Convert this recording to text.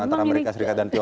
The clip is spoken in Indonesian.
ya memang ini kita